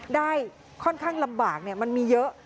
ได้ค่อนข้างลำบากมันมีเยอะ